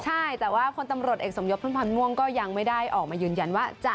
ใช่แต่ว่าคนตำรวจเอกสมยศพุ่มพันธ์ม่วงก็ยังไม่ได้ออกมายืนยันว่าจะ